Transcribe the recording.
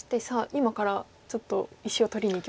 今からちょっと石を取りにいきますか？